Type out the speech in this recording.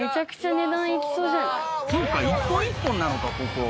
そうか１本１本なのかここ。